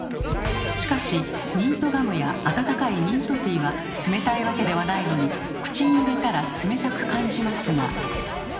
しかしミントガムや温かいミントティーは冷たいわけではないのに口に入れたら冷たく感じますが。